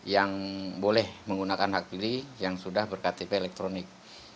yang boleh menggunakan hak pilih yang sudah berktp elektronik